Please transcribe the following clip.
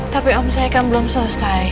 tapi om saya kan belum selesai